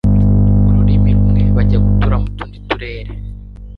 ururimi rumwe bajya gutura mu tundi turere